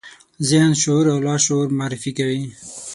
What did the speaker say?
ذهن، شعور او لاشعور معرفي کوي.